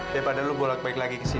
ya padahal lu balik balik lagi ke sini